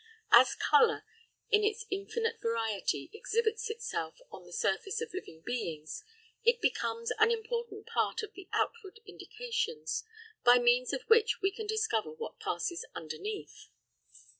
As colour, in its infinite variety, exhibits itself on the surface of living beings, it becomes an important part of the outward indications, by means of which we can discover what passes underneath.